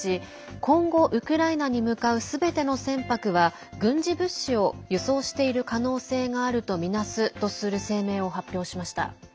今後、ウクライナに向かうすべての船舶は軍事物資を輸送している可能性があるとみなすとする声明を発表しました。